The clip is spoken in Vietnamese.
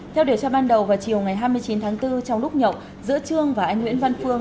theo điều tra ban đầu vào chiều ngày hai mươi chín tháng bốn trong lúc nhậu giữa trương và anh nguyễn văn phương